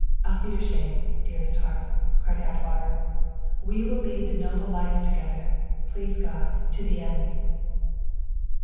"Auf wiederschen, dearest heart!" cried Atwater. "We will lead the noble life together, please God, to the end!"